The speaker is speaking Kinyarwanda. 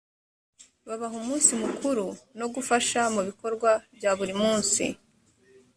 babaha umunsi mukuru no gufasha mu bikorwa bya buri munsi